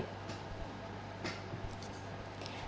theo đại diện của xuất nhập khẩu